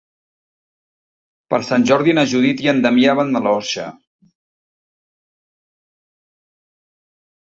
Per Sant Jordi na Judit i en Damià van a l'Orxa.